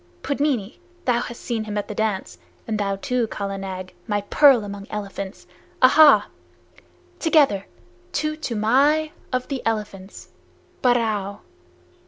Pudmini, thou hast seen him at the dance, and thou too, Kala Nag, my pearl among elephants! ahaa! Together! To Toomai of the Elephants. Barrao!"